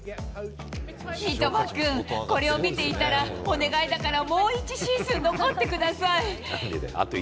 三笘君、これを見ていたら、お願いだからもう１シーズン残ってください。